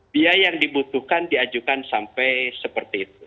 biaya yang dibutuhkan diajukan sampai seperti itu